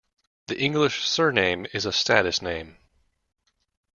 The English surname is a status name.